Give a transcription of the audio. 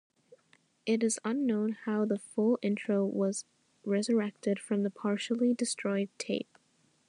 It is unknown how the full intro was resurrected from the partially destroyed tape.